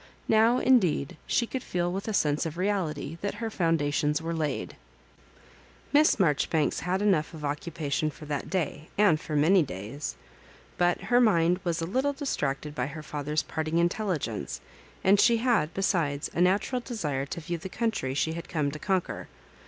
Now, in deed, she could feel with a sense of reality that her foundations were laid. Miss Marjoribanks had enough of occupation for that day, and for many days. But her mmd was a little distracted by her father's parting intelligence, and she had, besides, a natur^ desire to view the country she had come to conquer.